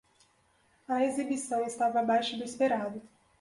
A exibição estava abaixo do esperado.